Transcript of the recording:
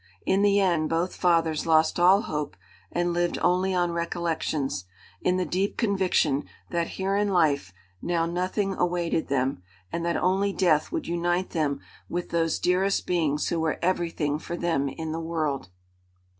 In the end both fathers lost all hope and lived only on recollections, in the deep conviction that here in life now nothing awaited them and that only death would unite them with those dearest beings who were everything for them in the world.